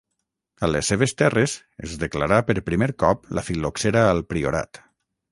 A les seves terres es declarà per primer cop la fil·loxera al priorat.